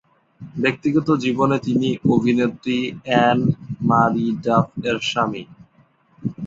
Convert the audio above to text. ব্যক্তিগত জীবনে তিনি অভিনেত্রী অ্যান-মারি ডাফ-এর স্বামী।